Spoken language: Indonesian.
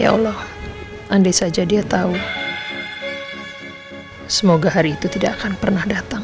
ya allah andai saja dia tahu semoga hari itu tidak akan pernah datang